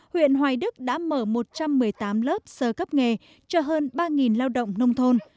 huyện hoài đức đã mở một trăm một mươi tám lớp sơ cấp nghề cho hơn ba lao động nông thôn